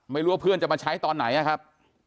ไม่รู้ว่าเพื่อนจะมาใช้ตอนไหนนะครับ